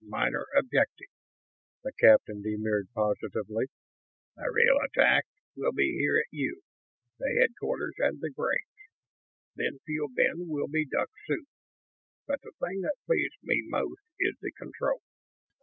"Uh uh. Minor objective," the captain demurred, positively. "The real attack will be here at you; the headquarters and the brains. Then Fuel Bin will be duck soup. But the thing that pleased me most is the control.